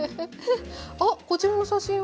あっこちらの写真は？